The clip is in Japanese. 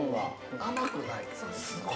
◆甘くない。